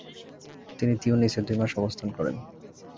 তিনি তিউনিসে দুই মাস আবস্থান করেন।